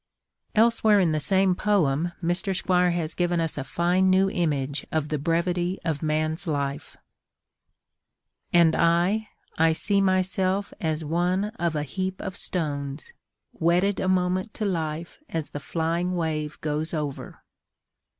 Elsewhere in the same poem Mr. Squire has given us a fine new image of the brevity of man's life: And I, I see myself as one of a heap of stones, Wetted a moment to life as the flying wave goes over.